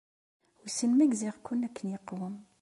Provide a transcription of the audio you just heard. Wissen ma gziɣ-ken akken yeqwem.